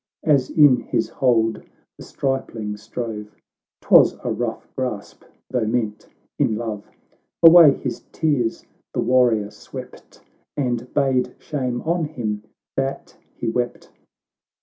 As in his hold the stripling strove, — ('Twas a rough grasp, though meant in love,) Away his tears the warrior swept, And bade shame on him that he wept.